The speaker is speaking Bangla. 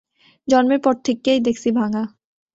জন্মের পরের থেইক্কাই, দেখছি ভাঙা।